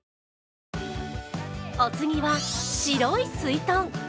お次は、白いすいとん。